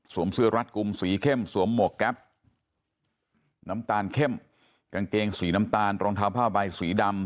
เสื้อรัดกลุ่มสีเข้มสวมหมวกแก๊ปน้ำตาลเข้มกางเกงสีน้ำตาลรองเท้าผ้าใบสีดำ